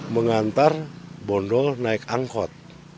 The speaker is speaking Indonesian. mengantar bondol naik angkor